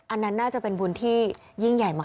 อันนั้นน่าจะเป็นบุญที่ยิ่งใหญ่มาก